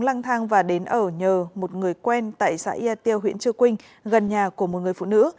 lăng thang và đến ở nhờ một người quen tại xã yateo huyện chưa quynh gần nhà của một người phụ nữ